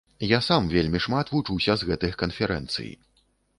Я сам вельмі шмат вучуся з гэтых канферэнцый.